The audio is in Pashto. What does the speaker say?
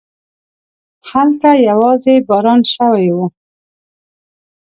هلته يواځې باران شوی و.